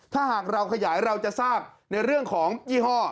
ถ้าหากเราขยายเราจะทราบในเรื่องของยี่ห้อ